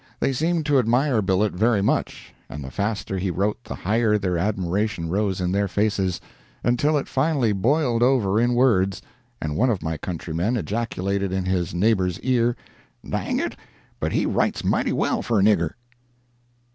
They seemed to admire Billet very much, and the faster he wrote the higher their admiration rose in their faces, until it finally boiled over in words, and one of my countrymen ejaculated in his neighbor's ear,—"Dang it, but he writes mighty well for a nigger!"